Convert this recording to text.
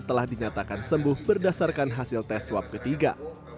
telah dinyatakan sembuh berdasarkan hasil tes swab ketiga